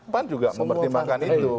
pan juga mempertimbangkan itu